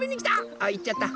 あいっちゃった！